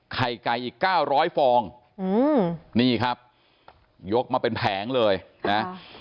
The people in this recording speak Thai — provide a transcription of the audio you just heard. ไข่ไก่อีกเก้าร้อยฟองอืมนี่ครับยกมาเป็นแผงเลยนะ